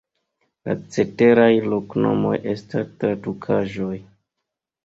La ceteraj loknomoj estas tradukaĵoj.